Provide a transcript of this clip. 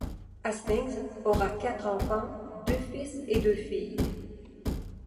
Hastings aura quatre enfants - deux fils et deux filles.